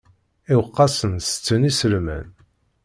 Iweqqasen tetten iselman.